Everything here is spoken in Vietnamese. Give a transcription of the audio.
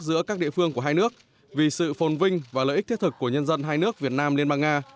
giữa các địa phương của hai nước vì sự phồn vinh và lợi ích thiết thực của nhân dân hai nước việt nam liên bang nga